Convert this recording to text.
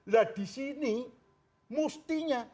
nah disini mustinya